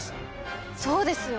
そうですよ。